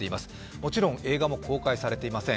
もちろん映画も公開されていません。